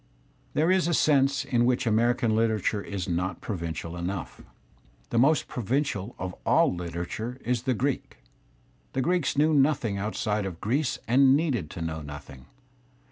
There is a sense in which American literature is not provincial enough. The most provincial of aU Kterature is the Greek. The Greeks knew nothing outside of Greece and needed to know nothing.